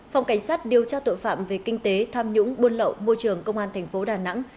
phòng cảnh sát điều tra tội phạm về kinh tế tham nhũng buôn lậu môi trường công an thành phố đà nẵng